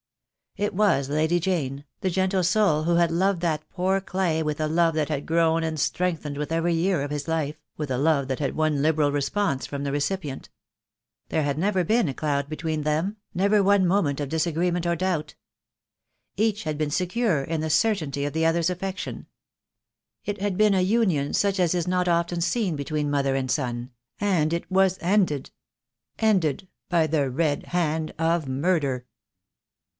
It was Lady Jane, the gentle soul who had loved that poor clay with a love that had grown and strengthened with every year of his life, with a love that had won liberal response from the recipient. There had never been a cloud between them, never one moment of dis agreement or doubt. Each had been secure in the cer tainty of the other's affection. It had been a union such as is not often seen between mother and son; and it was ended — ended by the red hand of murder.